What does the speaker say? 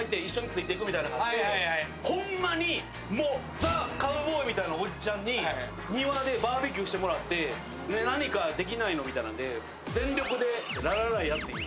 ＴＨＥカウボーイみたいなおっちゃんに庭でバーベキューしてもらって何かできないのみたいんで全力でララライやった。